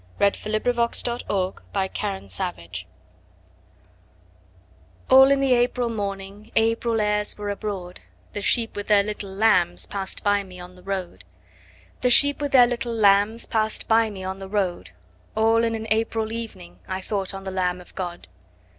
b. 1861 877. Sheep and Lambs ALL in the April morning, April airs were abroad; The sheep with their little lambs Pass'd me by on the road. The sheep with their little lambs 5 Pass'd me by on the road; All in an April evening I thought on the Lamb of God.